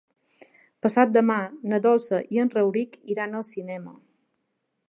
Demà passat na Dolça i en Rauric iran al cinema.